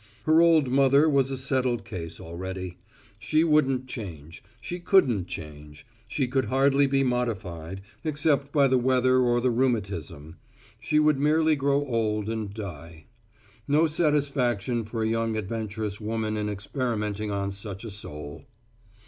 Her old mother was a settled case already. She wouldn't change; she couldn't change; she could hardly be modified, except by the weather or the rheumatism; she would merely grow old and die. No satisfaction for a young adventurous woman in experimenting on such a soul.